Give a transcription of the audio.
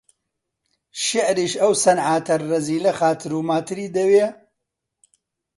شیعریش، ئەو سنعاتە ڕەزیلە خاتر و ماتری دەوێ؟